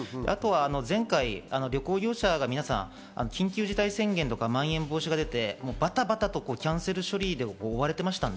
前回、旅行業者が皆さん緊急事態宣言とか、まん延防止が出てバタバタとキャンセル処理に追われてました。